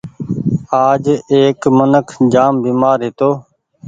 آج ايڪ منک جآم بيمآر هيتو